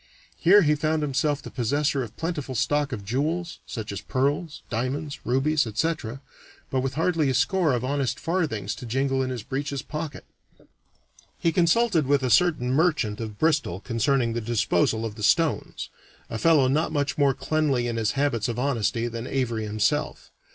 Here he found himself the possessor of a plentiful stock of jewels, such as pearls, diamonds, rubies, etc., but with hardly a score of honest farthings to jingle in his breeches pocket. He consulted with a certain merchant of Bristol concerning the disposal of the stones a fellow not much more cleanly in his habits of honesty than Avary himself.